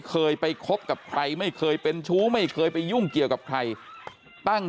เคยไปคบกับใครไม่เคยเป็นชู้ไม่เคยไปยุ่งเกี่ยวกับใครตั้ง